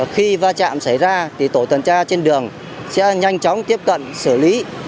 khi va chạm xảy ra tổ tuần tra trên đường sẽ nhanh chóng tiếp cận xử lý